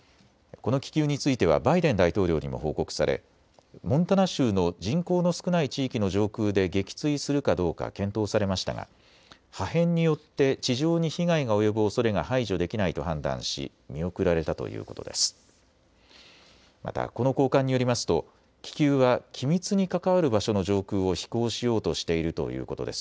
この気球についてはバイデン大統領にも報告されモンタナ州の人口の少ない地域の上空で撃墜するかどうか検討されましたが破片によって地上に被害が及ぶおそれが排除できないと判断し見送られたということです。